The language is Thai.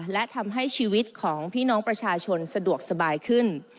และทำให้ชีวิตของพี่น้องประชาชนสะดวกสบายขึ้น